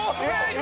今。